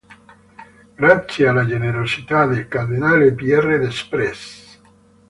Grazie alla generosità del cardinale Pierre des Prés.